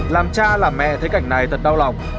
làm cha làm mẹ thấy cảnh này thật đau lòng